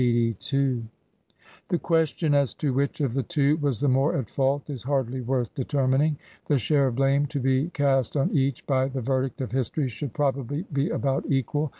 The question as to which of the two was the more at fault is hardly worth determining. The share of blame to be cast on each by the verdict of history should probably be about equal.